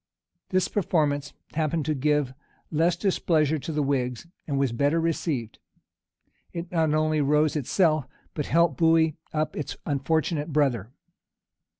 This performance happened to give less displeasure to the whigs, and was better received. It not only rose itself, but helped to buoy up its unfortunate brother.